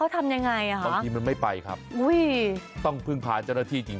ต้องพึ่งพาเจ้าหน้าที่จริง